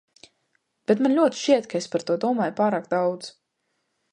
Bet man ļoti šķiet, ka es par to domāju pārāk daudz.